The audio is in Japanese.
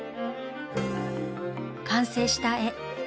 完成した絵。